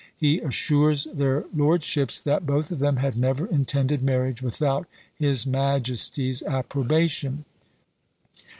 He assures their lordships that both of them had never intended marriage without his majesty's approbation.